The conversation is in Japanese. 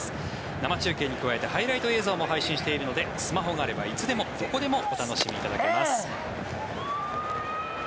生中継に加えてハイライト映像も配信しているのでスマホがあればいつでもどこでもお楽しみいただけます。